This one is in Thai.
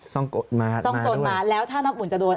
ซ่องโจรมาแล้วถ้าน้ำอุ่นจะโดน